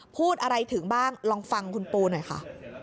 พูดอะไรถึงบ้างลองฟังคุณปูหน่อยค่ะ